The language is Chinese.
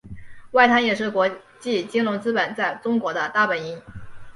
外滩也是国际金融资本在中国的大本营。